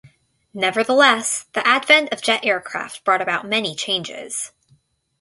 Nevertheless, the advent of jet aircraft brought about many changes.